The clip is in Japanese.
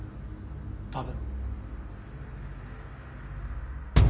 多分。